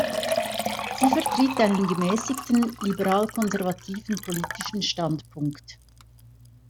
Sie vertritt einen gemäßigten, liberal-konservativen politischen Standpunkt.